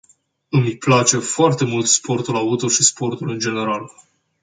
Îmi place foarte mult sportul auto și sportul în general.